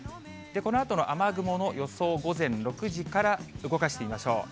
このあとの雨雲の予想を午前６時から動かしてみましょう。